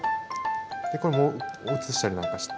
でこれを移したりなんかして。